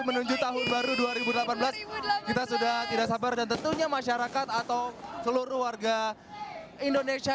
menuju tahun baru dua ribu delapan belas kita sudah tidak sabar dan tentunya masyarakat atau seluruh warga indonesia